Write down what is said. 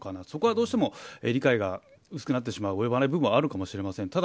そこはどうしても理解が薄くなってしまう及ばない部分はあるかもしれません。